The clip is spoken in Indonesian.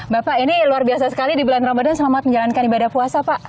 bapak ini luar biasa sekali di bulan ramadan selamat menjalankan ibadah puasa pak